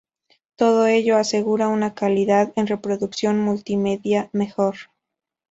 Todo ello asegura una calidad en reproducción multimedia mejor.